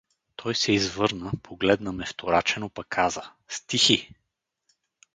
Той се извърна, погледна ме вторачено, па каза: — Стихи!